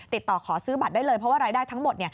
ติดต่อขอซื้อบัตรได้เลยเพราะว่ารายได้ทั้งหมด